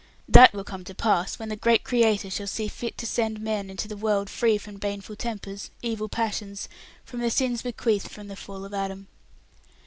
That will come to pass when the Great Creator shall see fit to send men into the world free from baneful tempers, evil passions, from the sins bequeathed from the fall of Adam.